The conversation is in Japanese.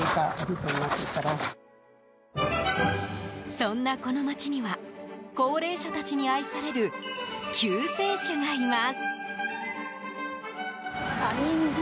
そんな、この町には高齢者たちに愛される救世主がいます。